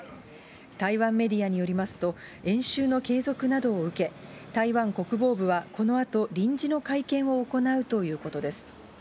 台湾メディアによりますと、演習の継続などを受け、台湾国防部はこのあと臨時の会見を行うということです。